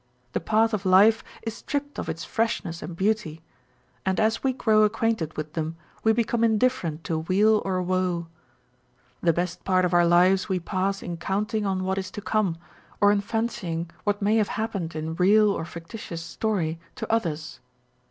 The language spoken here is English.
The path of life is stripped of its freshness and beauty ; and as we grow acquainted with them, we become indifferent to weal or woe. The best part of our lives we pass in counting on what is to come ; or in fancying what may have happened in real or fictitious story to others.